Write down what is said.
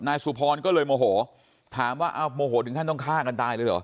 นายสุพรก็เลยโมโหถามว่าโมโหถึงขั้นต้องฆ่ากันตายเลยเหรอ